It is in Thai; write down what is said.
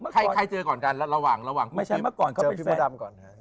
ใครเจอก่อนกันระหว่างกุ๊บกิ๊บเจอพี่หมดดำก่อน